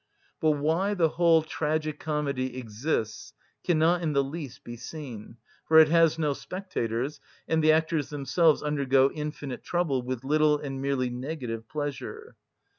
But why the whole tragi‐comedy exists cannot in the least be seen; for it has no spectators, and the actors themselves undergo infinite trouble, with little and merely negative pleasure.